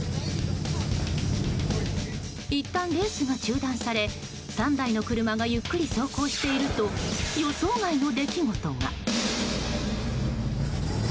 いったん、レースが中断され３台の車がゆっくり走行していると予想外の出来事が。